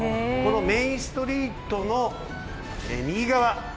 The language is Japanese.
メーンストリートの右側。